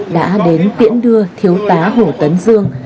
đã đến tiễn đưa thiếu tá hồ tấn dương